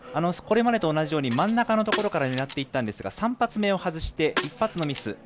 これまでと同じように真ん中のところから狙っていったんですが３発目を外して１発のミス。